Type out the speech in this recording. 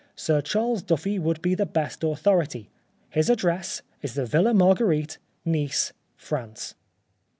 Sir Charles Duffy would be the best authority. His address is the Villa Marguerite, Nice, France."